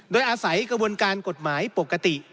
โดยอาศัยกระบวนการกฎหมายปกติ